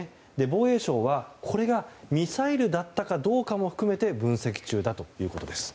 防衛省は、これがミサイルだったかどうかも含めて分析中だということです。